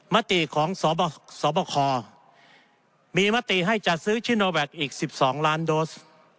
มติของสบคมีมติให้จัดซื้อชิโนแวคอีก๑๒ล้านโดส